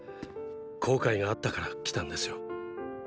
後悔があったから来たんですよ。